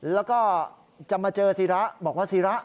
แล้วก็จะมาเจอศิระบอกว่าศิระ